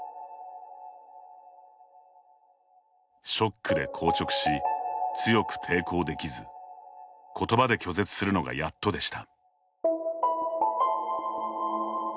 ショックで硬直し強く抵抗できず言葉で拒絶するのがやっとでした。